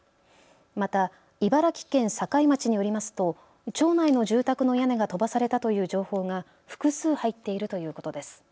また茨城県境町によりますと町内の住宅の屋根が飛ばされたという情報が複数入っているということです。